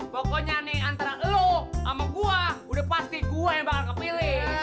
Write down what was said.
pokoknya nih antara lu sama gua udah pasti gua yang bakal kepilih